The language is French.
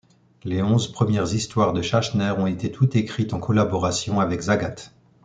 Les onze premières histoires de Schachner ont été toutes écrites en collaboration avec Zagat.